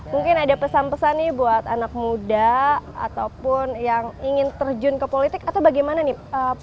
mungkin ada pesan pesan nih buat anak muda ataupun yang ingin terjun ke politik atau bagaimana nih